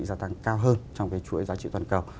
gia tăng cao hơn trong cái chuỗi giá trị toàn cầu